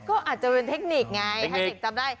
ก็อาจจะเป็นเทคนิคไง